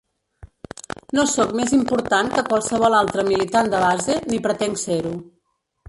No sóc més important que qualsevol altre militant de base ni pretenc ser-ho.